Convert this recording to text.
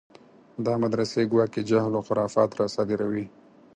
دا مدرسې ګواکې جهل و خرافات راصادروي.